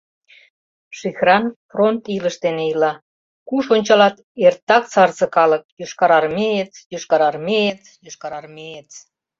Шихран фронт илыш дене ила: куш ончалат, эртак сарзе калык — йошкарармеец, йошкарармеец, йошкарармеец...